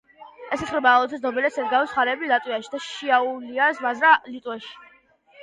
ესაზღვრება აუცეს, დობელეს, ელგავის მხარეები ლატვიაში და შიაულიაის მაზრა ლიტვაში.